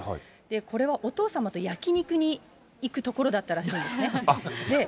これはお父様と焼き肉に行くところだったらしいんですね。